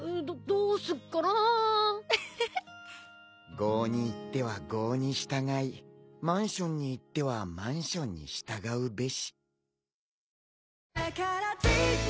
郷に入っては郷に従いマンションに入ってはマンションに従うべし。